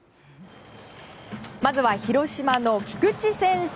まずは広島の菊池選手。